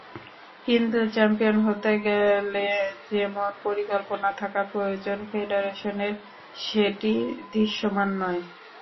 কিন্তু চ্যাম্পিয়ন হতে গেলে যেমন পরিকল্পনা থাকা প্রয়োজন ফেডারেশনের, সেটি দৃশ্যমান নয়।